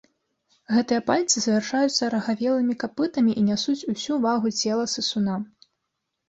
Гэтыя пальцы завяршаюцца арагавелымі капытамі і нясуць усю вагу цела сысуна.